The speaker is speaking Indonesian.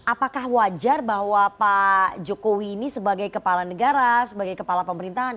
apakah wajar bahwa pak jokowi ini sebagai kepala negara sebagai kepala pemerintahan